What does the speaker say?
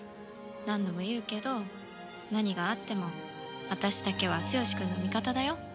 何度も言うけど何があっても私だけはつよしくんの味方だよ。